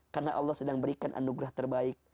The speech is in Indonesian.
karena allah sedang berikan anugerah terbaik